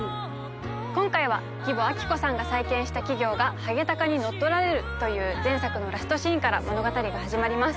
今回は義母亜希子さんが再建した企業がハゲタカに乗っ取られるという前作のラストシーンから物語が始まります